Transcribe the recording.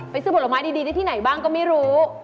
ซื้อผลไม้ดีได้ที่ไหนบ้างก็ไม่รู้